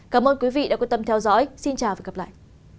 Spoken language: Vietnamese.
cảm ơn quý vị đã quan tâm theo dõi xin chào và hẹn gặp lại